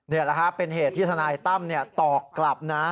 นี่แหละครับเป็นเหตุที่ทนายตั้มตอบกลับนะ